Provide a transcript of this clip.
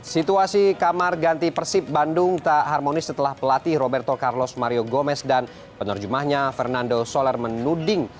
situasi kamar ganti persib bandung tak harmonis setelah pelatih roberto carlos mario gomez dan penerjemahnya fernando soler menuding